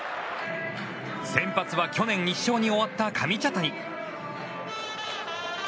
先発は去年２勝に終わった上茶谷。